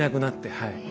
はい。